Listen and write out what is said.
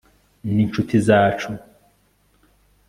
n'incuti zacu